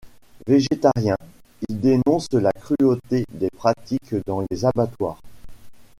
Végétarien, il dénonce la cruauté des pratiques dans les abattoirs.